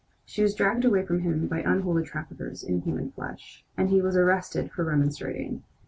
She was dragged away from him by unholy traffickers in human flesh, and he was arrested for remonstrating.